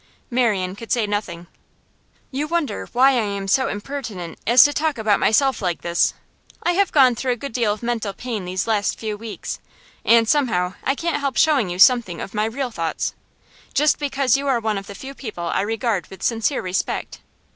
Marian could say nothing. 'You wonder why I am so impertinent as to talk about myself like this. I have gone through a good deal of mental pain these last few weeks, and somehow I can't help showing you something of my real thoughts. Just because you are one of the few people I regard with sincere respect.